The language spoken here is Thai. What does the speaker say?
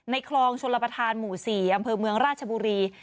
คลองชลประธานหมู่๔อำเภอเมืองราชบุรี